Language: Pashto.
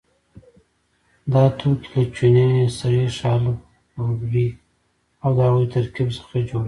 دا توکي له چونه، سريښ، الف غوړي او د هغوی ترکیب څخه جوړیږي.